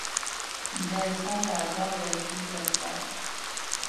جیسا راجا ویسی پرجا